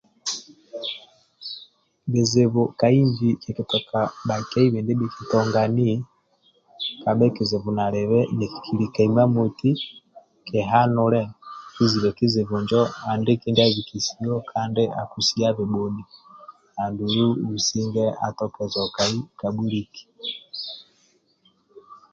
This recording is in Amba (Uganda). bizibu ka inji kikitoka dakiyaibhe ndibi kitongani kabe kizibu nalibe nikikilika emamoti ki hanule kizibe kizibu njo andiki ndyabikisiyo kandi akusiyabe boni andulu businge atoke zokai ka buliki